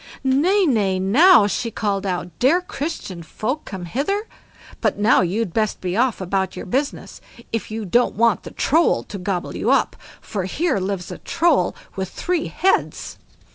"Nay, nay, now!" she called out, "dare Christian folk come hither? But now you'd best be off about your business, if you don't want the Troll to gobble you up; for here lives a Troll with three heads."